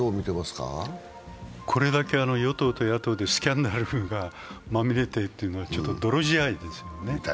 これだけ与党と野党でスキャンダルにまみれているというのはちょっと泥仕合ですよね。